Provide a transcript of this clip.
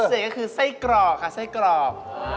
เสร็จก็คือไส้กรอกค่ะไส้กรอก